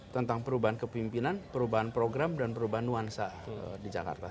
tentang perubahan kepimpinan perubahan program dan perubahan nuansa di jakarta